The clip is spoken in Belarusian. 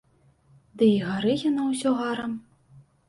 Ды і гары яно ўсё гарам.